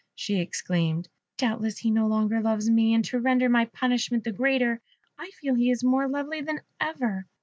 she exclaimed. "Doubtless he no longer loves me. And to render my punishment the greater, I feel he is more lovely than ever.